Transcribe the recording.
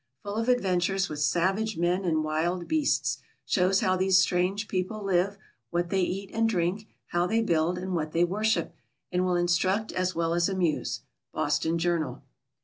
Full of adventures with savage men and wild beasts; shows how these strange people live, what they eat and drink, how they build, and what they worship; and will instruct as well as amuse. _Boston Journal.